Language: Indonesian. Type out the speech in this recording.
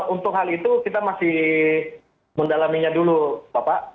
untuk hal itu kita masih mendalaminya dulu bapak